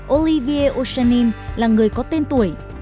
olivier o shanin là người có tên tuổi